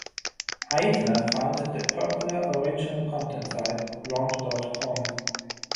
Eisner founded the popular original content site, Romp dot com.